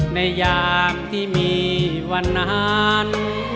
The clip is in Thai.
ในยามที่มีวันนั้น